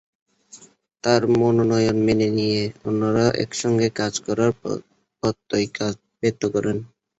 তাঁর মনোনয়ন মেনে নিয়ে অন্যরা একসঙ্গে কাজ করার প্রত্যয় ব্যক্ত করেন।